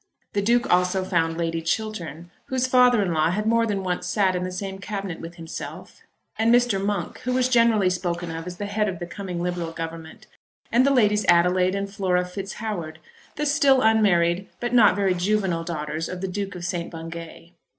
The Duke also found Lady Chiltern, whose father in law had more than once sat in the same Cabinet with himself, and Mr. Monk, who was generally spoken of as the head of the coming Liberal Government, and the Ladies Adelaide and Flora FitzHoward, the still unmarried but not very juvenile daughters of the Duke of St. Bungay.